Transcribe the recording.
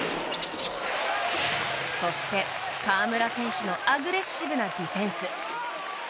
そして河村選手のアグレッシブなディフェンス。